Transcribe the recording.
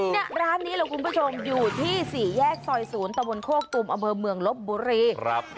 เนี่ยร้านนี้ล่ะคุณผู้ชมอยู่ที่๔แยกซอย๐ตะวนโคกกุมอเมอร์เมืองลบบุรี